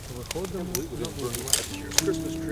Виходимо на вулицю.